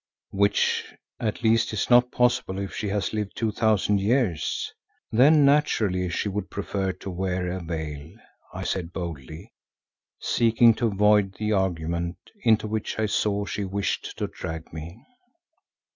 "Which at least is not possible if she has lived two thousand years. Then naturally she would prefer to wear a veil," I said boldly, seeking to avoid the argument into which I saw she wished to drag me.